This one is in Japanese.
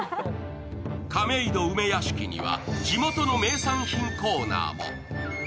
亀戸梅屋敷には地元の名産品コーナーも。